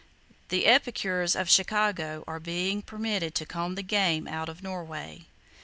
The epicures of Chicago are being permitted to comb the game out of Norway.